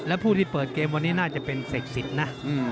และผู้ที่เปิดเกมวันนี้น่าจะเป็นเสกสิทธิ์นะ